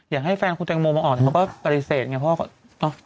อยากให้แฟนคุณแตงโมมาออกแต่เขาก็แบนกับเขา